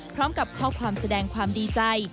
พร้อมกับข้อความแสดงความดีใจ